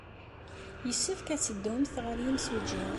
Yessefk ad teddumt ɣer yemsujji.